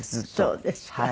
そうですか。